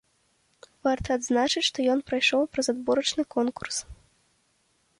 Варта адзначыць, што ён прайшоў праз адборачны конкурс.